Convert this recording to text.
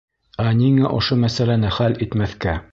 Ә ниңә ошо мәсьәләне хәл итмәҫкә!?